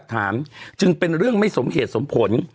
ถามจึงเป็นเรื่องไม่สมเหตุสมผล